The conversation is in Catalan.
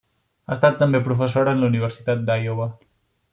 Ha estat també professora en la Universitat d'Iowa.